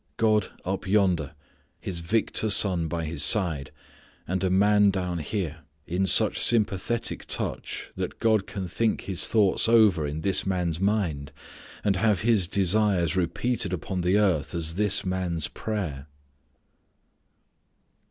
God up yonder, His Victor Son by His side, and a man down here, in such sympathetic touch that God can think His thoughts over in this man's mind, and have His desires repeated upon the earth as this man's prayer.